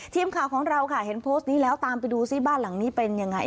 ทีมข่าวของเราค่ะเห็นโพสต์นี้แล้วตามไปดูซิบ้านหลังนี้เป็นยังไง